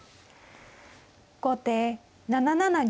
後手７七銀。